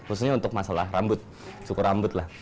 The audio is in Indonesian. khususnya untuk masalah rambut cukur rambut lah